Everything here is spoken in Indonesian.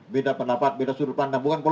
beda pendapat beda sudut pandang bukan perlu